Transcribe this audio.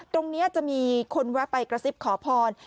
ตรงนี้จะมีคนแวะไปกระซิบขอพร